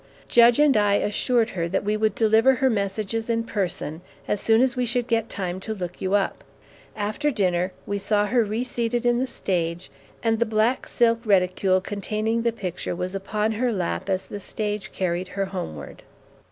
"Judge and I assured her that we would deliver her messages in person, as soon as we should get time to look you up. After dinner we saw her reseated in the stage, and the black silk reticule containing the picture was upon her lap as the stage carried her homeward."